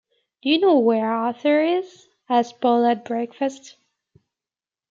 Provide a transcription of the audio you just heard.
“Do you know where Arthur is?” asked Paul at breakfast.